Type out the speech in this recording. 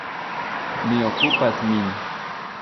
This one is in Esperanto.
Mi okupas min.